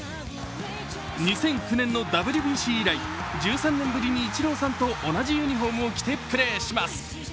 ２００９年のＷＢＣ以来、１３年ぶりにイチローさんと同じユニフォームを着てプレーします。